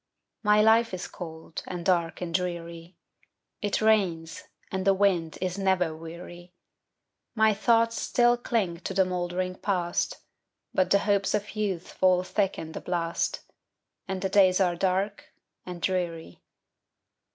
My life is cold, and dark, and dreary; It rains, and the wind is never weary; My thoughts still cling to the moldering Past, But the hopes of youth fall thick in the blast, And the days are dark and dreary.